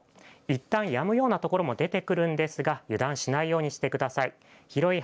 いったんやむような所も出てくるんですが、油断しないようにしてください。